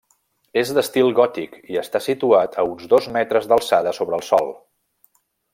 És d'estil gòtic i està situat a uns dos metres d'alçada sobre el sòl.